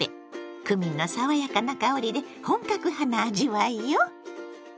クミンの爽やかな香りで本格派な味わいよ。